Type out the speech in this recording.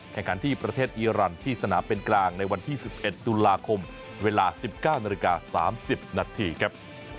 แข่งขันที่ประเทศอีรันที่สนามเป็นกลางในวันที่๑๑ตุลาคมเวลา๑๙นาฬิกา๓๐นาทีครับ